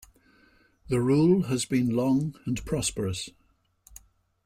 The rule has been long and prosperous.